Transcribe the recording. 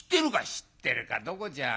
「知ってるかどこじゃないよ。